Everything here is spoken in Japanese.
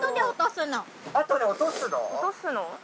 落とすの？